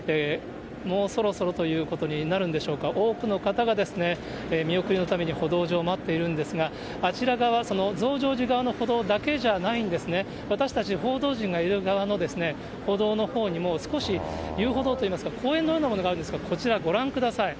もうそろそろということになるんでしょうか、多くの方が、見送りのために歩道上、待っているんですが、あちら側、その増上寺側の歩道だけじゃないんですね、私たち報道陣がいる側の歩道のほうにも、少し遊歩道といいますか、公園のようなものがあるんですが、こちらご覧ください。